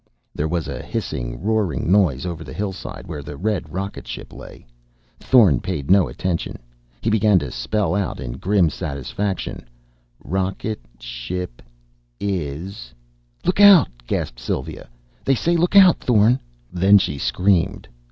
'" There was a hissing, roaring noise over the hillside, where the red rocket ship lay. Thorn paid no attention. He began to spell out, in grim satisfaction: "R o c k e t s h i p i s " "Look out!" gasped Sylva. "They say look out, Thorn!" Then she screamed.